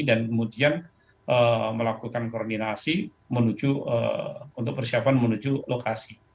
dan kemudian melakukan koordinasi untuk persiapan menuju lokasi